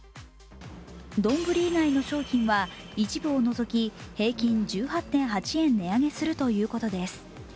丼以外の商品は一部を除き、平均１８．８円値上げするということです。